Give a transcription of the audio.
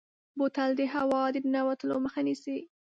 بوتل د هوا د ننوتو مخه نیسي.